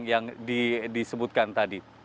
yang disebutkan tadi